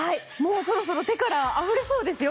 そろそろ手からあふれそうですよ